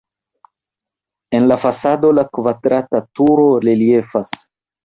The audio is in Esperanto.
En la fasado la kvadrata turo reliefas.